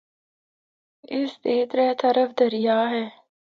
اس دے ترے طرف دریا اے۔